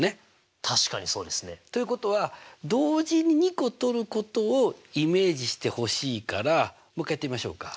確かにそうですね。ということは同時に２個取ることをイメージしてほしいからもう一回やってみましょうか。